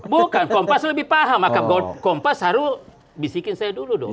bukan kompas lebih paham maka kompas harus bisikin saya dulu dong